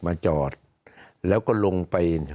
มาจอดแล้วก็ลงไป